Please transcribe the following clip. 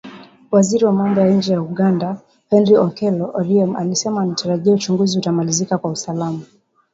Waziri wa Mambo ya Nje wa Uganda HenryOKello Oryem alisema anatarajia uchaguzi utamalizika kwa Usalama.